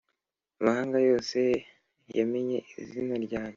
amahanga yose yamenye izina ryanjye.